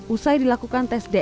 usai dilakukan tes gejala